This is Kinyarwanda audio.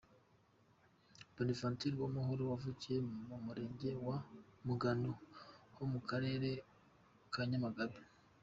Bonaventure Uwamahoro yavukiye mu Murenge wa Mugano ho mu Karere ka Nyamagabe.